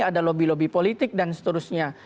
ada lobby lobby politik dan seterusnya